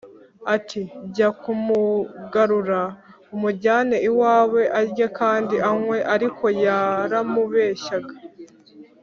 ati ‘Jya kumugarura umujyane iwawe, arye kandi anywe’ ” Ariko yaramubeshyaga